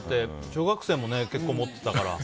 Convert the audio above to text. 小学生も結構持ってたから。